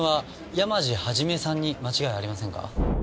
山路肇さんに間違いありませんか？